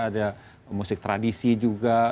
ada musik tradisi juga